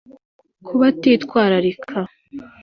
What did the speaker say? Ku batitwararika